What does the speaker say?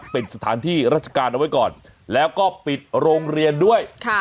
ปิดสถานที่ราชการเอาไว้ก่อนแล้วก็ปิดโรงเรียนด้วย